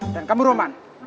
dan kamu roman